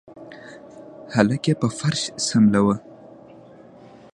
هلک يې په فرش سملوه.